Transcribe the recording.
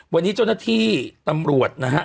วันนี้เจ้าหน้าที่ตำรวจนะฮะ